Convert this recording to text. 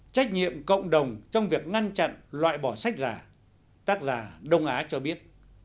trách nhiệm cộng đồng trong việc ngăn chặn loại bỏ sách giả tác giả đông á cho biết